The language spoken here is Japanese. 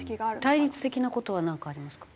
対立的な事はなんかありますか？